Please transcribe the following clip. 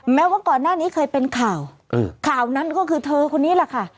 แม้ว่าก่อนหน้านี้เคยเป็นข่าวข่าวนั้นก็คือเธอคนนี้แหละค่ะ